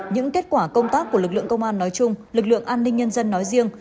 những kết quả công tác của lực lượng công an nói chung lực lượng an ninh nhân dân nói riêng